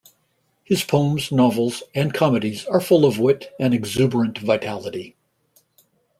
His poems, novels and comedies are full of wit and exuberant vitality.